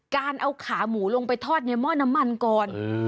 การเอาขาหมูลงไปทอดในหม้อน้ำมันก่อน